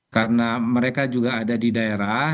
karena mereka juga ada di daerah